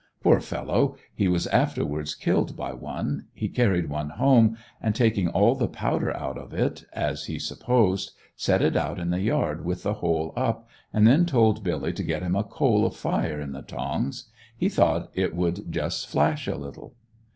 Poor fellow, he was afterwards killed by one, he carried one home and taking all the powder out of it, as he supposed, set it out in the yard with the hole up, and then told Billy to get him a coal of fire in the tongs. He thought it would just flash a little.